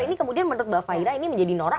ini kemudian menurut mbak faira ini menjadi norak